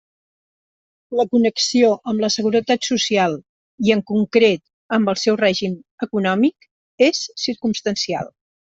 La connexió amb la Seguretat Social i, en concret, amb el seu règim econòmic, és circumstancial.